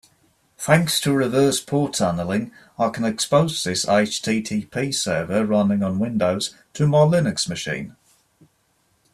Thanks to reverse port tunneling, I can expose this HTTP server running on Windows to my Linux machine.